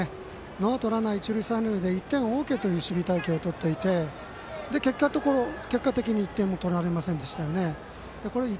ノーアウトランナー、一塁三塁で１点ＯＫという守備隊形をとっていて結果的に１点も取られませんでしたよね。